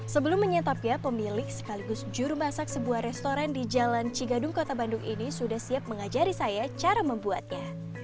sebelum menyantapnya pemilik sekaligus juru masak sebuah restoran di jalan cigadung kota bandung ini sudah siap mengajari saya cara membuatnya